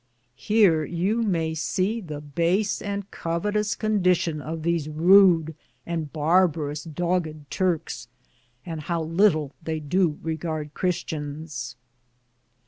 Heare yow maye se the base and covetus condi tion of these Rude and barbarus doged Turkes, and how litle they do Regard Christians.